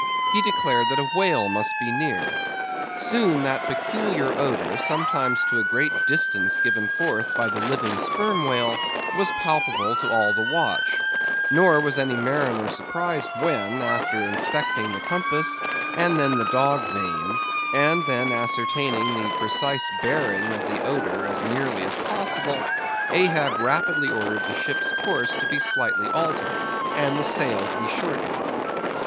He declared that a whale must be near. Soon that peculiar odor, sometimes to a great distance given forth by the living sperm whale, was palpable to all the watch; nor was any mariner surprised when, after inspecting the compass, and then the dog vane, and then ascertaining the precise bearing of the odor as nearly as possible, Ahab rapidly ordered the ship's course to be slightly altered, and the sail to be shortened.